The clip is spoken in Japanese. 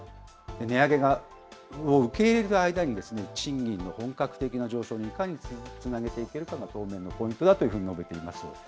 値上げを受け入れる間に、賃金の本格的な上昇に、いかにつなげていけるかが当面のポイントだというふうに述べています。